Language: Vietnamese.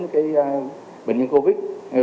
cái bệnh nhân covid